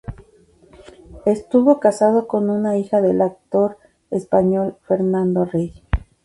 Estuvo casado con una hija del actor español Fernando Rey.